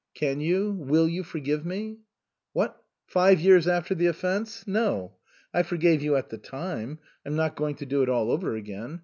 Can you, will you for give me ?"" What ? Five years after the offence ? No. I forgave you at the time ; I'm not going to do it all over again.